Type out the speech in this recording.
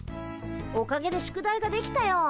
おかげで宿題が出来たよ。